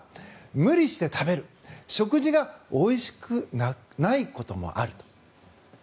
無理して食べる、食事がおいしくないこともあると。